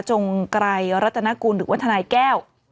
จงไกรรัฐนกุลหรือวัฒนาแก้ว